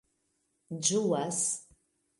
ĝuas